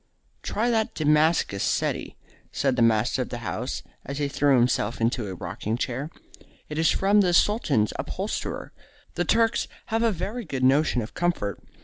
"Try that Damascus settee," said the master of the house, as he threw himself into a rocking chair. "It is from the Sultan's upholsterer. The Turks have a very good notion of comfort.